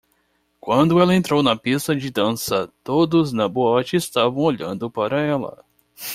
Quando ela entrou na pista de dança, todos na boate estavam olhando para ela.